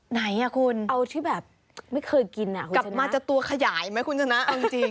ไหนอ่ะคุณเอาที่แบบไม่เคยกินกลับมาจะตัวขยายไหมคุณชนะเอาจริง